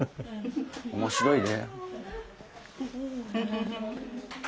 面白いで。